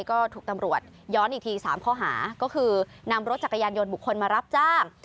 ก็ถูกตำรวจย้อนอีกที๓ข้อหาก็คือนำรถจักรยานยนต์บุคคลมารับจ้าง